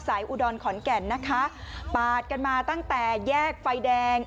อุดรขอนแก่นนะคะปาดกันมาตั้งแต่แยกไฟแดง